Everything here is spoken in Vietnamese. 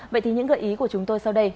vậy thì những gợi ý của chúng tôi sau đây